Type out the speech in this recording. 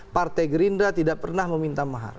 partai gerindra tidak pernah meminta mahar